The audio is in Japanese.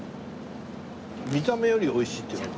見た目より美味しいって感じ。